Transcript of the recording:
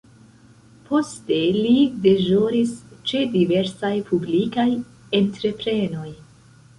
Poste li deĵoris ĉe diversaj publikaj entreprenoj.